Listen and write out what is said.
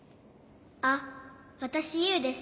あっわたしユウです。